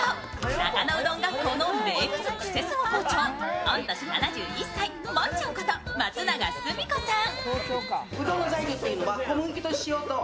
中野うどん学校の名物クセすご校長、御年７１歳、まっちゃんこと松永澄子さん。